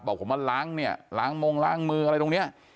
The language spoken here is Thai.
บอกผมมาล้างเนี่ยล้างมงล้างมืออะไรตรงเนี้ย